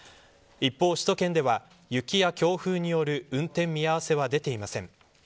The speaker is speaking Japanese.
一方、首都圏では雪や強風による運転見合わせは出ていません。